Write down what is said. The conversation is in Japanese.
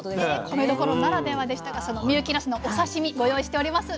米どころならではでしたがその深雪なすのお刺身ご用意しております。